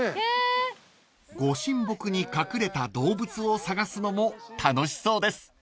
［ご神木に隠れた動物を探すのも楽しそうです］